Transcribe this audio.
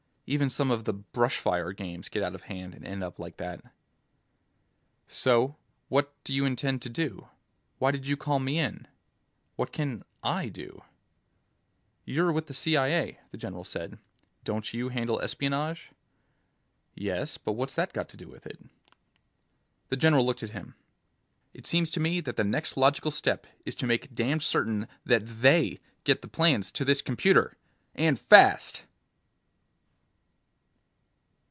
Even some of the 'brushfire' games get out of hand and end up like that." "So ... what do you intend to do? Why did you call me in? What can I do?" "You're with CIA," the general said. "Don't you handle espionage?" "Yes, but what's that got to do with it?" The general looked at him. "It seems to me that the next logical step is to make damned certain that They get the plans to this computer ... and fast!"